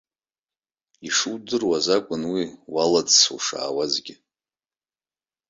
Ишудыруаз акәын уи уалаӡсо ушаауазгьы.